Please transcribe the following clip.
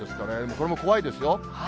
これも怖いですよ。